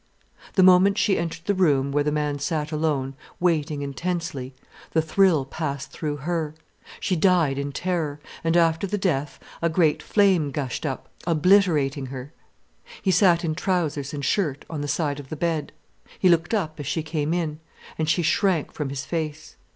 The moment she entered the room where the man sat alone, waiting intensely, the thrill passed through her, she died in terror, and after the death, a great flame gushed up, obliterating her. He sat in trousers and shirt on the side of the bed. He looked up as she came in, and she shrank from his face.